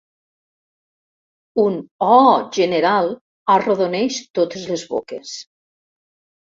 Un oh! general arrodoneix totes les boques.